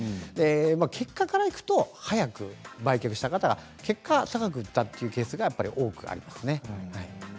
結果からいくと早く売却した方が高く売ったというケースが多くなります。